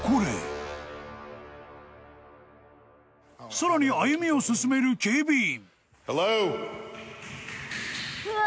［さらに歩みを進める警備員］